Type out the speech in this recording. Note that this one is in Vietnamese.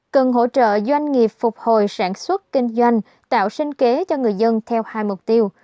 cần hỗ trợ doanh nghiệp phục hồi sản xuất kinh doanh tạo sinh kế cho người dân theo hai mục tiêu